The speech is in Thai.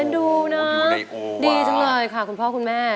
ดูนะดีจังเลยค่ะคุณพ่อคุณแม่